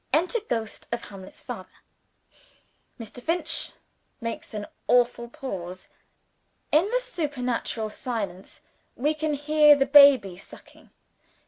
"Enter Ghost of Hamlet's Father." Mr. Finch makes an awful pause. In the supernatural silence, we can hear the baby sucking.